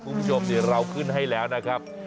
คุณผู้ชมเราขึ้นให้แล้วนะครับ